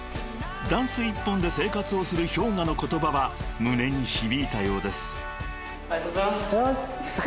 ［ダンス１本で生活をするＨｙＯｇＡの言葉は胸に響いたようです］